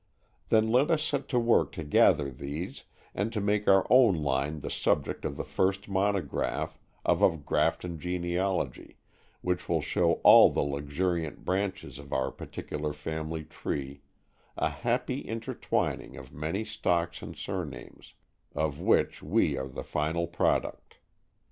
Then let us set to work to gather these, and to make our own line the subject of the first monograph of a Grafton genealogy, which will show all the luxuriant branches of our particular family tree, a happy intertwining of many stocks and surnames, of which we are the final product.